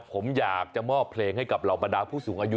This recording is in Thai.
ผมอยากจะมอบเพลงให้กับเหล่าบรรดาผู้สูงอายุ